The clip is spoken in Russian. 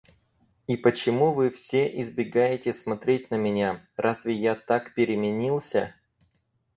И почему вы все избегаете смотреть на меня, разве я так переменился?